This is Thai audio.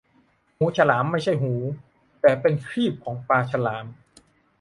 หูฉลาม ไม่ใช่หู แต่เป็นครีบของปลาฉลาม